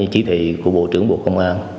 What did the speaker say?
chỉ thị của bộ trưởng bộ công an